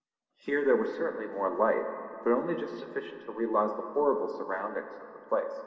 Here there was certainly more light, but only just sufficient to realise the horrible surroundings of the place.